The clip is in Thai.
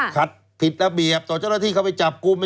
ผิดระเบียบต่อเจ้าหน้าที่เข้าไปจับกลุ่ม